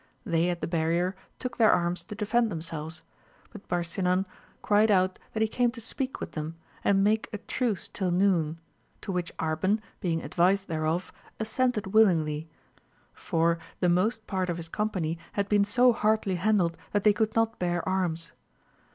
They at the barrier took their arms to defend them selves, but Barsinan cried out that he came to speak with them, and make a truce till noon ; to which Arban, being advised thereof, assented willingly, for the most part of his company had been so hardly handled that they could not bear arms.